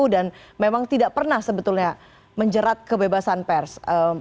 dan memang tidak pernah sebetulnya menjerat kebebasan pers